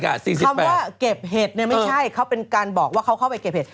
คำว่าเก็บเห็ดเนี่ยไม่ใช่เขาเป็นการบอกว่าเขาเข้าไปเก็บเห็ด